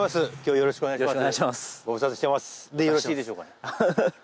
よろしくお願いします。